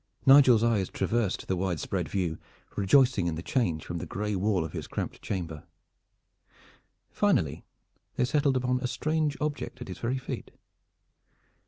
Nigel's eyes traversed the wide spread view, rejoicing in the change from the gray wall of his cramped chamber. Finally they settled upon a strange object at his very feet.